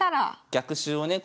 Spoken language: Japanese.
逆襲をね